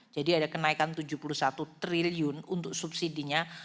jadi ada kenaikan tujuh puluh satu triliun untuk subsidinya